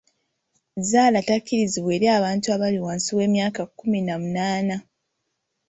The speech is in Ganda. Zzaala takkirizibwa eri abantu abali wansi w'emyaka kkumi na munaana.